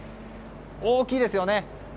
大きいですよね。